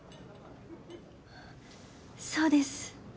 そうです。